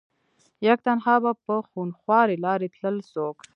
يک تنها به په خونخوارې لارې تلل څوک